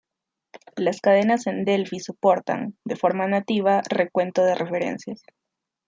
Las cadenas en Delphi soportan, de forma nativa, recuento de referencias.